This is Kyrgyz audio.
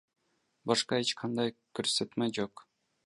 Башка эч кандай көрсөтмө жок.